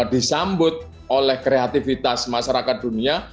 disambut oleh kreativitas masyarakat dunia